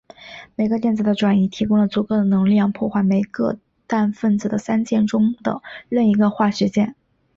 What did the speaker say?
每个电子的转移提供了足够的能量破坏每个氮分子的三键中的任一个化学键。